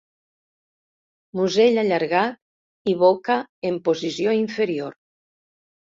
Musell allargat i boca en posició inferior.